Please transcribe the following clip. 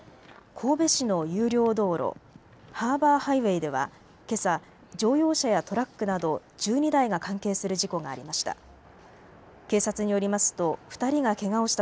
神戸市の有料道路、ハーバーハイウェイではけさ乗用車やトラックなど１２台が関係する事故がありました。